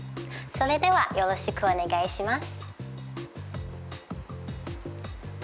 それではよろしくお願いします。